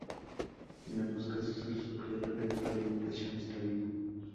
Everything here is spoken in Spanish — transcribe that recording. En ambos casos el sujeto de experimentación está vivo.